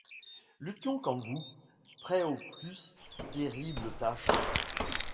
Luttions comme vous, prêts aux plus terribles tâches